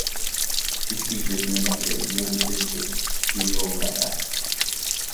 This feature is named after the Israeli physicist Giulio Racah.